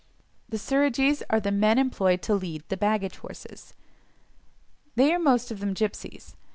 The Suridgees are the men employed to lead the baggage horses. They are most of them gipsies.